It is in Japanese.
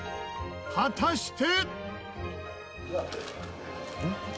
果たして。